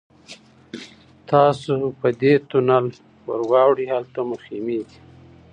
تاسو په دې تونل ورواوړئ هلته مو خیمې دي.